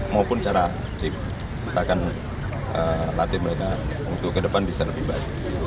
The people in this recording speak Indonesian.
maupun cara kita akan latih mereka untuk ke depan bisa lebih baik